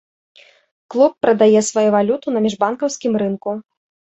Клуб прадае сваю валюту на міжбанкаўскім рынку.